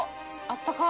あったか！